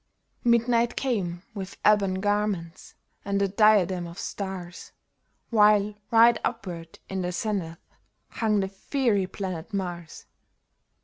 Midnight came with ebon garments and a diadem of stars. While right upward in the zenith hung the fiery planet Mars.